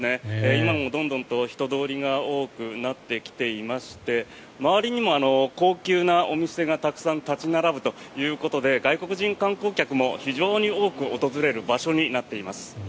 今もどんどんと人通りが多くなってきていまして周りにも高級なお店がたくさん立ち並ぶということで外国人観光客も非常に多く訪れる場所になっています。